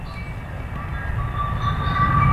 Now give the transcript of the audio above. সে তেমন কারো সাথে যোগাযোগ করত না।